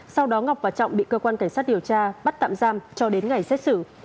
sau đó ngọc và trọng bị cơ quan cảnh sát điều tra bắt tạm giam cho đến ngày xét xử